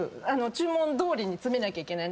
注文どおり詰めなきゃいけない。